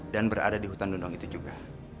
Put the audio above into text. dan berada di hutan dundung itu juga